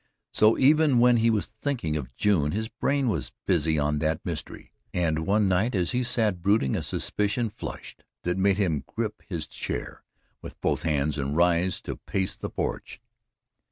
So even when he was thinking of June his brain was busy on that mystery, and one night, as he sat brooding, a suspicion flashed that made him grip his chair with both hands and rise to pace the porch.